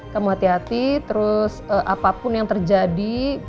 kamu hati hati terus apapun yang terjadi